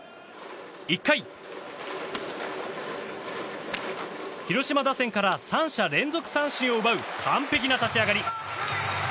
１回、広島打線から３者連続三振を奪う完璧な立ち上がり。